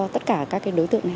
tất cả các đối tượng này